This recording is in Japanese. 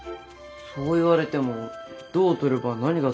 そう言われてもどう撮れば何が伝わるのか。